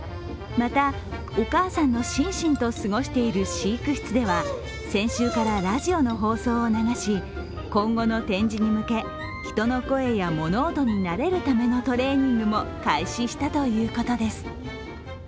また、お母さんのシンシンと過ごしている飼育室では先週からラジオの放送を流し今後の展示に向け人の声や物音に慣れるためのトレーニングも開始したということです。